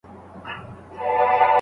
شاګرد د خپل کار پلان جوړوي.